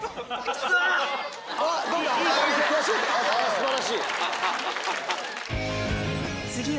素晴らしい！